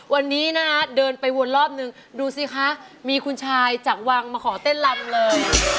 วันนี้นะฮะเดินไปวนรอบนึงดูสิคะมีคุณชายจากวังมาขอเต้นลำเลย